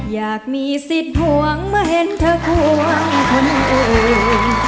อยากมีสิทธิ์ห่วงเมื่อเห็นเธอควงคนอื่น